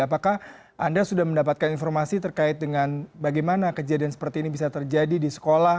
apakah anda sudah mendapatkan informasi terkait dengan bagaimana kejadian seperti ini bisa terjadi di sekolah